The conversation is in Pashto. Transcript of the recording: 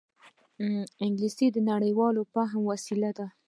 انګلیسي د نړيوال فهم وسیله ده